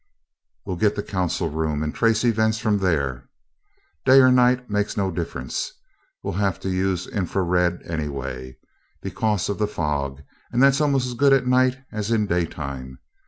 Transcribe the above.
"We'll get the council room, and trace events from there. Day or night makes no difference we'll have to use infra red anyway, because of the fog, and that's almost as good at night as in the daytime.